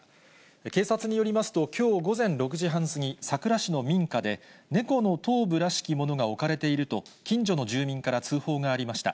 警察によりますと、きょう午前６時半過ぎ、佐倉市の民家で、猫の頭部らしきものが置かれていると、近所の住民から通報がありました。